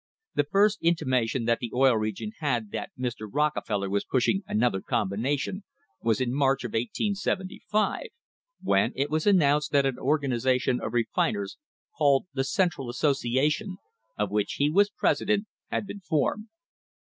t The first intimation that the Oil Region had that Mr. Rockefeller was pushing another combination was in March of 1875, when it was announced that an organisation of refin ers, called the Central Association, of which he was president, had been formed.